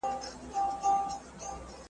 په مشاعره کي دیکلمه کړی دی ,